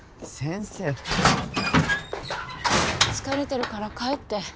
疲れてるから帰って。